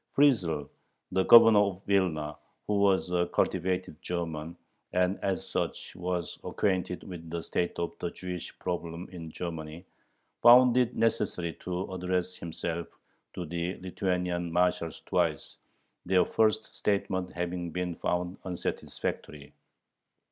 Friesel, the Governor of Vilna, who was a cultivated German, and as such was acquainted with the state of the Jewish problem in Germany, found it necessary to address himself to the Lithuanian marshals twice, their first statement having been found "unsatisfactory."